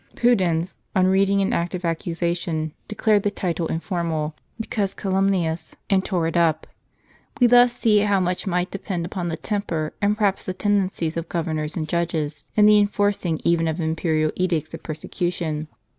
Pudens, on reading an act of accusation, declared the title informal, because calumnious, and tore it up. We thus see how much might depend upon the temper, and perhaps the tendencies, of governors and judges, in the enforcing even of imperial edicts of persecution.